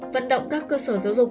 vận động các cơ sở giáo dục